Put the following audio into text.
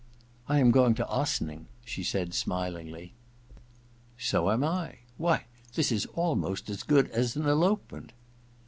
^ I am going to Ossining,' she said smilingly. * So am I. Why, this is almost as good as an elopement.'